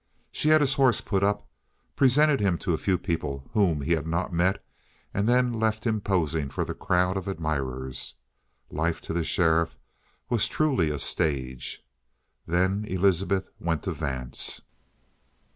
She had his horse put up; presented him to the few people whom he had not met, and then left him posing for the crowd of admirers. Life to the sheriff was truly a stage. Then Elizabeth went to Vance.